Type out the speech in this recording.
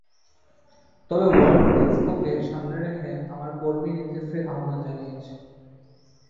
তবে ওয়ার্ল্ড এক্সপোকে সামনে রেখে আমরা কর্মী নিতে ফের আহ্বান জানিয়েছি।